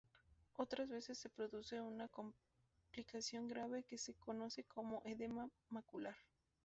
Otras veces se produce una complicación grave que se conoce como edema macular.